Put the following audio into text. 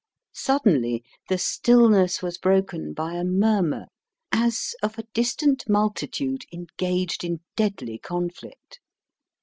Suddenly the stillness was broken by a murmur, as of a distant multitude engaged in deadly conflict.